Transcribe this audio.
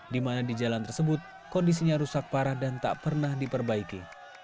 di mana di jalan tersebut kondisinya rusak parah dan tak pernah diperbaiki